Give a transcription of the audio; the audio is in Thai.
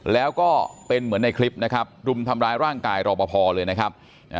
แล้วก็เป็นเหมือนในคลิปนะครับรุมทำร้ายร่างกายรอปภเลยนะครับ